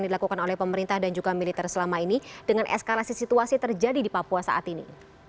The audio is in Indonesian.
yang dilakukan oleh pemerintah dan juga militer selama ini dengan eskalasi situasi terjadi di papua saat ini